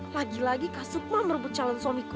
lagi lagi kasut mamer bercalon suamiku